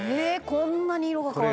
こんなに色が変わるの？」